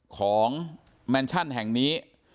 แมนชั่นแห่งนี้